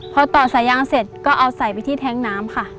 พอต่อสายยางเสร็จก็เอาใส่ไปที่แท้งน้ำค่ะ